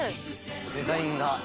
デザインが。